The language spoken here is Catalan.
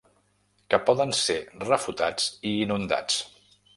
Que poden ser refutats i inundats.